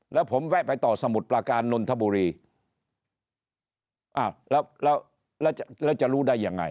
แล้วผมแวะไปต่อสมุทรประการนนทบุรีอ้าวแล้วแล้วจะรู้ได้ยังไง